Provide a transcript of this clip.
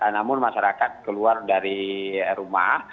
namun masyarakat keluar dari rumah